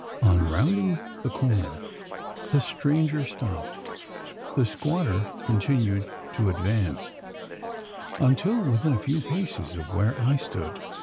On rounding the corner, the stranger stopped. The squatter continued to advance, until within a few paces of where I stood.